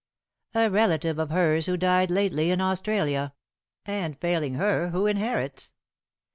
"A relative of hers who died lately in Australia." "And failing her who inherits?"